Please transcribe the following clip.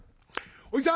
おじさん